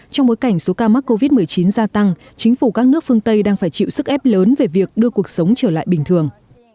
trong bối cảnh số ca mắc covid một mươi chín gia tăng chính phủ các nước phương tây đang phải chịu sức ép lớn về việc đưa cuộc sống trở lại bình thường